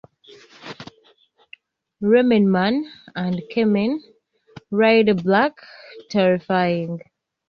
Ramenman", and "Kamen Rider Black: Terrifying!